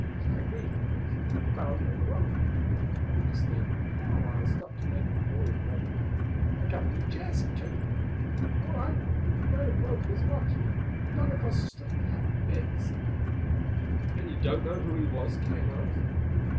I agreed, of course, and the fellow came along. I thought he stayed in the car while I stopped to make a call in Brentwood—I cover New Jersey too—but for all I know he might have broken his watch then and gone across the street to have it fixed." "And you don't know who he was?" Ken asked.